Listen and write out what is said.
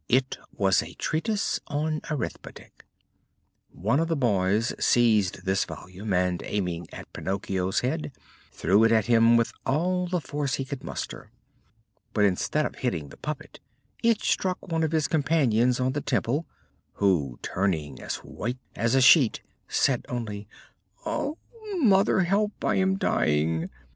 It was a Treatise on Arithmetic. One of the boys seized this volume and, aiming at Pinocchio's head, threw it at him with all the force he could muster. But instead of hitting the puppet it struck one of his companions on the temple, who, turning as white as a sheet, said only: "Oh, mother! help, I am dying!"